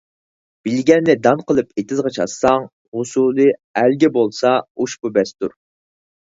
بىلگەننى دان قىلىپ ئېتىزغا چاچساڭ، ھوسۇلى ئەلگە بولسا، ئۇشبۇ بەستۇر.